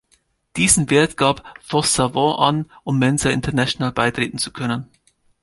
Diesen Wert gab vos Savant an, um Mensa International beitreten zu können.